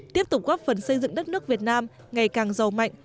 tiếp tục góp phần xây dựng đất nước việt nam ngày càng giàu mạnh